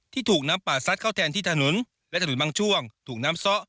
ถูกน้ำป่าซัดเข้าแทนที่ถนนและถนนบางช่วงถูกน้ำซ้อ